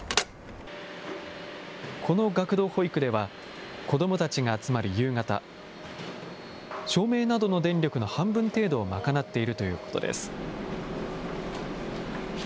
この学童保育では子どもたちが集まる夕方、照明などの電力の半分程度を賄っているということです。